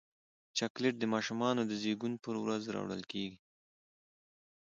چاکلېټ د ماشومانو د زیږون پر ورځ راوړل کېږي.